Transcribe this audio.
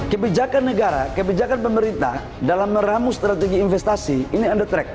kebijakan negara kebijakan pemerintah dalam meramu strategi investasi ini on the track